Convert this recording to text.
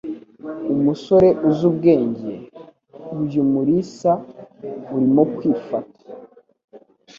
Umusore uzi ubwenge, uyu Mulisa; urimo kwifata.